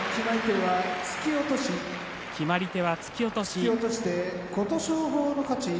決まり手は突き落とし。